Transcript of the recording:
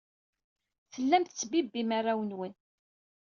Tellam tettbibbim arraw-nwen.